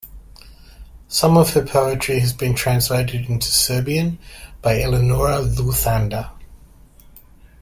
Some of her poetry has been translated into Serbian by Eleonora Luthander.